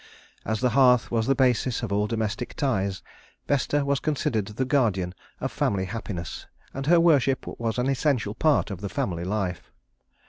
As the hearth was the basis of all domestic ties, Vesta was considered the guardian of family happiness, and her worship was an essential part of the family life.